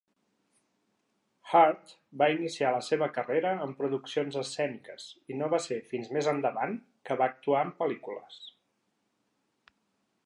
Hurt va iniciar la seva carrera en produccions escèniques i no va ser fins més endavant que va actuar en pel·lícules.